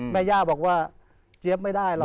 แม่ย่าบอกว่าเจี๊ยบไม่ได้หรอก